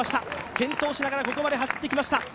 健闘しながらここまで走ってきました。